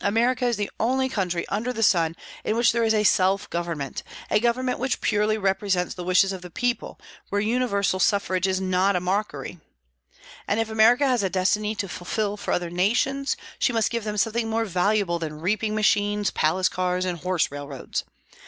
America is the only country under the sun in which there is self government, a government which purely represents the wishes of the people, where universal suffrage is not a mockery. And if America has a destiny to fulfil for other nations, she must give them something more valuable than reaping machines, palace cars, and horse railroads.